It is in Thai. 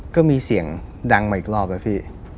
ก็มีเสียงดังมาอีกรอบอะพี่